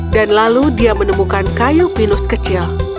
dan lalu dia menemukan kayu pinus kecil